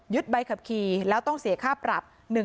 ใบขับขี่แล้วต้องเสียค่าปรับ